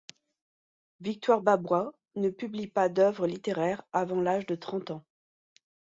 Victoire Babois ne publie pas d'œuvres littéraires avant l'âge de trente ans.